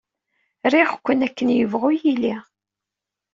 Riɣ-ken akken yebɣu yili.